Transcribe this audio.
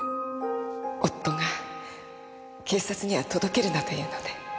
夫が警察には届けるなというので。